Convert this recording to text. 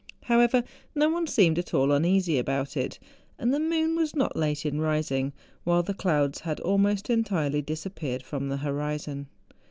However, no one seemed at all uneasy about it, and the moon was not late in rising, while the clouds had almost entirely disappeared from the horizon.